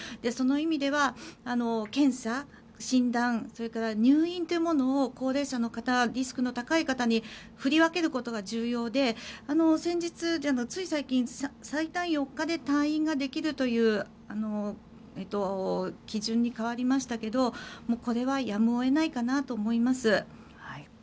その意味では検査、診断それから入院というものを高齢者の方、リスクの高い方に振り分けることが重要で先日、つい最近最短４日で退院できるという基準に変わりましたけどこれはやむを得ないかなと思います。